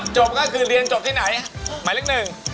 จบก็คือเรียนจบที่ไหนหมายละคุณ๑